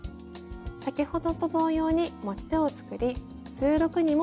先ほどと同様に持ち手を作り１６にもすじ編み。